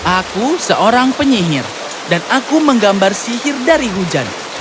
aku seorang penyihir dan aku menggambar sihir dari hujan